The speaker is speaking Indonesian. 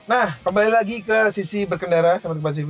nah kembali lagi ke sisi berkendara sahabat kompas tv